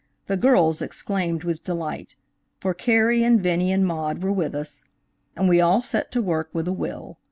The girls exclaimed with delight (for Carrie and Vinnie and Maude were with us), and we all set to work with a will.